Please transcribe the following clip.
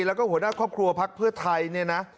แล้วก็หัวหน้าครอบครัวพักเพื่อไทยเนี่ยนะ